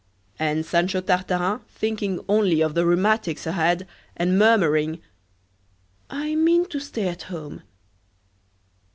and Sancho Tartarin thinking only of the rheumatics ahead, and murmuring: "I mean to stay at home."